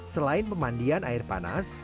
selain pemandian air panas